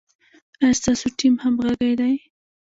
ایا ستاسو ټیم همغږی دی؟